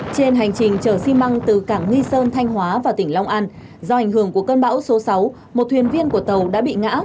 trên hành trình chở xi măng từ cảng nghi sơn thanh hóa và tỉnh long an do ảnh hưởng của cơn bão số sáu một thuyền viên của tàu đã bị ngã